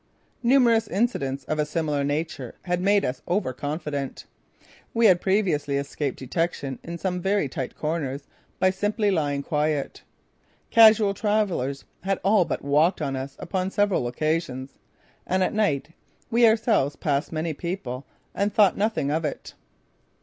Numerous incidents of a similar nature had made us overconfident. We had previously escaped detection in some very tight corners by simply lying quiet. Casual travelers had all but walked on us upon several occasions, and at night we ourselves passed many people and thought nothing of it.